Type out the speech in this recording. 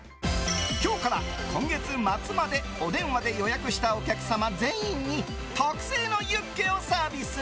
今日から今月末までお電話で予約したお客様全員に特製のユッケをサービス。